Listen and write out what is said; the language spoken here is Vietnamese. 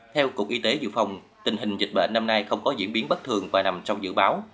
theo cục y tế dự phòng tình hình dịch bệnh năm nay không có diễn biến bất thường và nằm trong dự báo